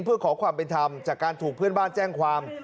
เพื่อขอความเป็นธรรมจากการถูกเพื่อนบ้านแจ้งความ